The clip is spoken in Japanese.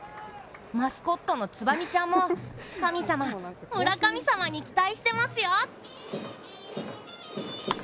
マスコットのつばみちゃんも、神様村神様に期待してますよ。